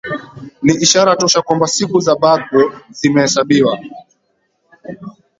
ni ishara tosha kwamba siku za bagbo zime hesabiwa